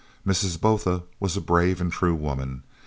Mrs. Botha was a brave and true woman.